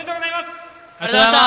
ありがとうございます！